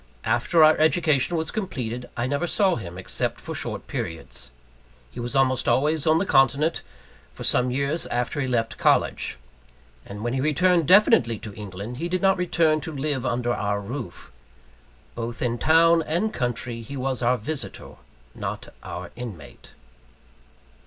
After our education was completed, I never saw him, except for short periods. He was almost always on the continent, for some years after he left college. And when he returned definitely to England, he did not return to live under our roof. Both in town and country he was our visitor, not our inmate.